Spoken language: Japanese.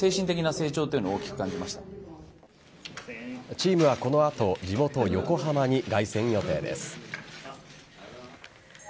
チームは、この後地元・横浜に凱旋予定です。